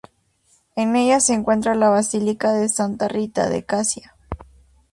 En ella se encuentra la Basílica de Santa Rita de Casia.